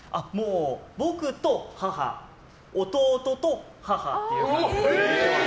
僕と母、弟と母っていう感じで。